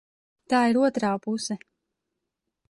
Tā ir otrā puse.